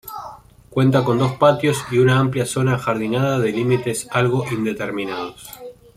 Cuenta con dos patios y una amplia zona ajardinada de límites algo indeterminados.